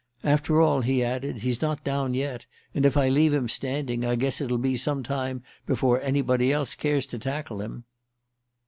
"After all," he added, "he's not down yet, and if I leave him standing I guess it'll be some time before anybody else cares to tackle him."